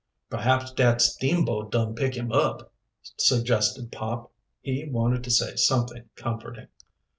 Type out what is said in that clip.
"Perhaps dat steamboat dun pick him up," suggested Pop. He wanted to say something comforting.